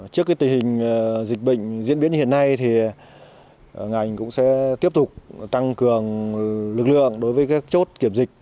trước tình hình dịch bệnh diễn biến hiện nay ngành cũng sẽ tiếp tục tăng cường lực lượng đối với các chốt kiểm dịch